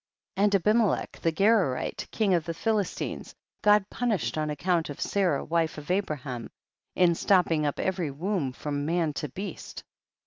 31. And Abimelech the Gerarite, king of the Philistines, God punished on account of Sarah wife of Abraham, in stopping up every womb from man to beast.